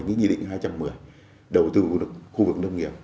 nghị định hai trăm một mươi đầu tư vào khu vực nông nghiệp